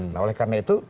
nah oleh karena itu